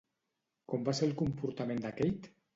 Com va ser el comportament de Kate?